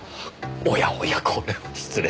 おやおやこれは失礼。